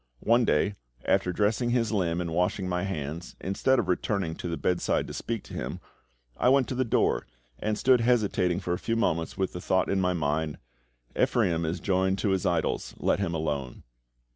One day, after dressing his limb and washing my hands, instead of returning to the bedside to speak to him, I went to the door, and stood hesitating for a few moments with the thought in my mind, "Ephraim is joined to his idols; let him alone."